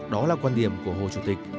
đó là quan điểm của hồ chủ tịch